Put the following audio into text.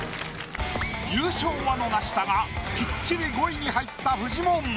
優勝は逃したがきっちり５位に入ったフジモン。